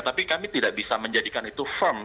tapi kami tidak bisa menjadikan itu firm